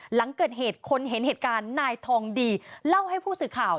หลังเกิดเหตุคนเห็นเหตุการณ์นายทองดีเล่าให้ผู้สื่อข่าว